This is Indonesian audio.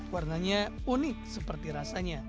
warnanya unik seperti rasanya